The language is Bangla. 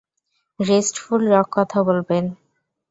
রেস্টফুল রক কথা বলবেন।